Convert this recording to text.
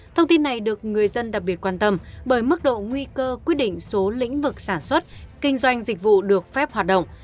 thông tin này được người dân đặc biệt quan tâm bởi mức độ nguy cơ quyết định số lĩnh vực sản xuất kinh doanh dịch vụ được phép hoạt động